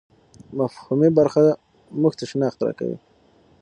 مفهومي برخه موږ ته شناخت راکوي.